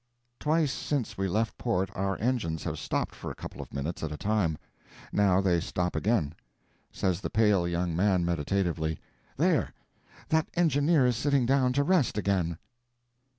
Twice since we left port our engines have stopped for a couple of minutes at a time. Now they stop again. Says the pale young man, meditatively, "There! that engineer is sitting down to rest again."